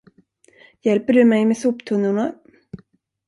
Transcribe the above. Hjälper du mig med soptunnorna?